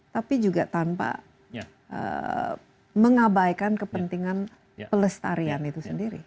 tapi juga tanpa mengabaikan kepentingan pelestarian itu sendiri